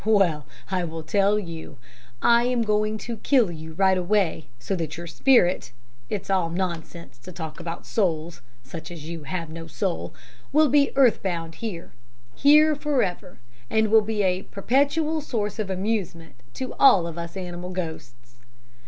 'Well, I will tell you. I'm going to kill you right away, so that your spirit it's all nonsense to talk about souls, such as you have no soul will be earth bound here here for ever and will be a perpetual source of amusement to all of us animal ghosts.'